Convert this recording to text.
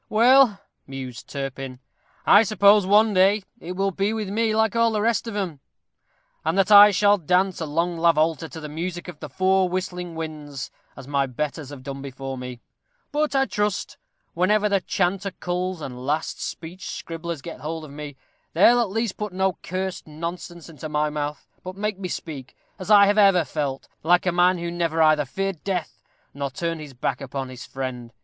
_ "Well," mused Turpin, "I suppose one day it will be with me like all the rest of 'em, and that I shall dance a long lavolta to the music of the four whistling winds, as my betters have done before me; but I trust, whenever the chanter culls and last speech scribblers get hold of me, they'll at least put no cursed nonsense into my mouth, but make me speak, as I have ever felt, like a man who never either feared death, or turned his back upon his friend.